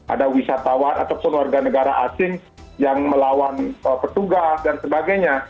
ada wisatawan ataupun warga negara asing yang melawan petugas dan sebagainya